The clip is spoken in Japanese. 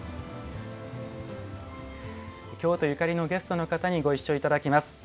京都ゆかりのゲストの方にご一緒いただきます。